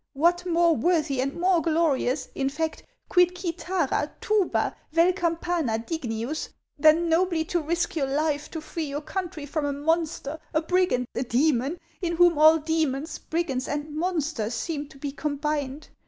What more worthy and more glorious, in fact, quid citliara, tuba, vel campana dignins, than nobly to risk your life to free your country from a monster, a brigand, a demon, in whom all demons, brigands, and monsters seem to be combined